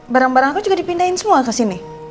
barang barang aku juga dipindahin semua ke sini